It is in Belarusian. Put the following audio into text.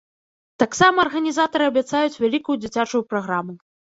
Таксама арганізатары абяцаюць вялікую дзіцячую праграму.